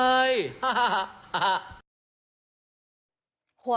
ฮ่าฮ่าฮ่า